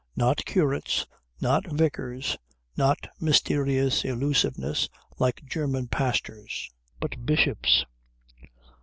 Not curates, not vicars, not mysterious elusivenesses like German pastors, but bishops.